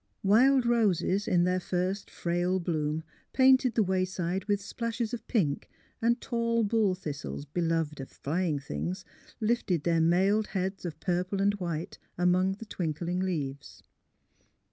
Wild roses in their first frail bloom painted the wayside with splashes of pink, and tall bull thistles, beloved of flying things, lifted their mailed heads of purple and white among the twinkling leaves.